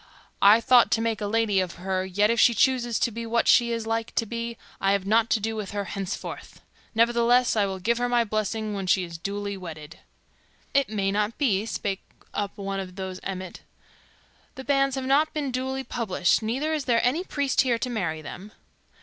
I had thought to make a lady of her; yet if she chooses to be what she is like to be, I have nought to do with her henceforth. Ne'ertheless I will give her my blessing when she is duly wedded." "It may not be," spake up one of those of Emmet. "The banns have not been duly published, neither is there any priest here to marry them."